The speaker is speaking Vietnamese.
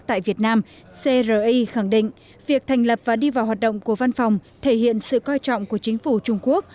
tại việt nam cri khẳng định việc thành lập và đi vào hoạt động của văn phòng thể hiện sự coi trọng của chính phủ trung quốc